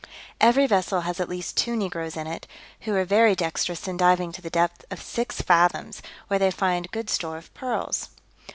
Every vessel has at least two negroes in it, who are very dextrous in diving to the depth of six fathoms, where they find good store of pearls.